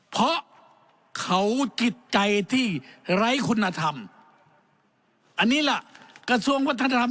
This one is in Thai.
เพราะเขาจิตใจที่ไร้คุณธรรมอันนี้ล่ะกระทรวงวัฒนธรรม